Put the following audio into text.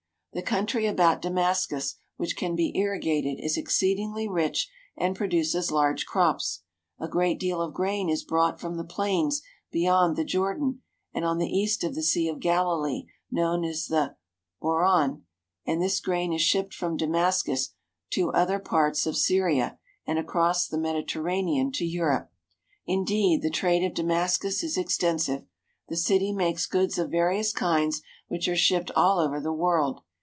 The country about Damascus which can be irri gated is exceedingly rich and produces large crops. A great deal of grain is brought from the plains beyond the Jordan and on the east of the Sea of Galilee, known as the hauran, and this grain is shipped from Damascus to other parts of Syria and across the Mediterranean to Europe. Indeed, the trade of Damascus is extensive. The city makes goods of various kinds which are shipped all over the world.